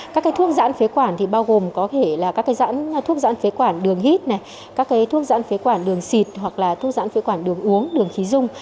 các thuốc dãn phế quản thì bao gồm có thể là các thuốc dãn phế quản đường hít các thuốc dãn phế quản đường xịt hoặc là thuốc dãn phế quản đường uống đường khí dung